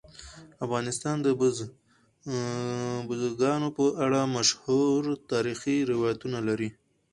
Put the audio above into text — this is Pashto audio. افغانستان د بزګانو په اړه مشهور تاریخي روایتونه لري.